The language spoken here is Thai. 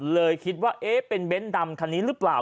เลยคิดว่าเอ๊ะเป็นเน้นดำคันนี้หรือเปล่า